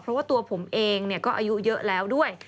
เพราะว่าตัวผมเองก็อายุเยอะแล้วด้วย